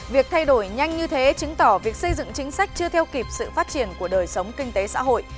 việc thay đổi nhanh như thế chứng tỏ việc xây dựng chính sách chưa theo kịp sự phát triển của đời sống kinh tế xã hội